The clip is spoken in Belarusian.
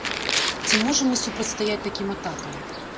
Ці можам мы супрацьстаяць такім атакам?